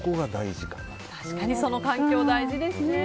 確かにその環境、大事ですね。